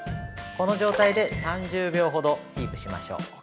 この状態で３０秒ほどキープしましょう。